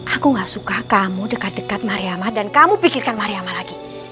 aku nggak suka kamu dekat dekat mariamah dan kamu pikirkan mariamah lagi